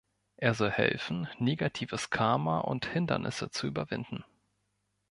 Er soll helfen, negatives Karma und Hindernisse zu überwinden.